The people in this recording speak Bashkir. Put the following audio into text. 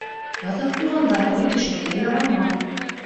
Яҙып ҡуйғандар: «Һыу төшөргә ярамай!»